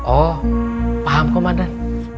oh paham komandan